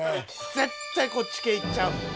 絶対こっち系いっちゃうもん。